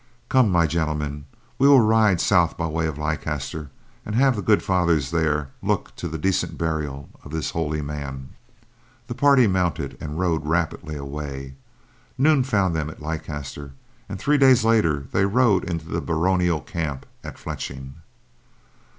Come, my gentlemen, we will ride south by way of Leicester and have the good Fathers there look to the decent burial of this holy man." The party mounted and rode rapidly away. Noon found them at Leicester, and three days later, they rode into the baronial camp at Fletching.